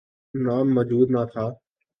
نام موجود نہ تھا۔